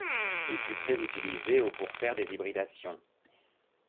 Il fut très utilisé au pour faire des hybridations.